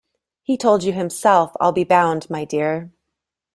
He told you himself, I'll be bound, my dear?